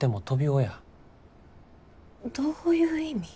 どういう意味？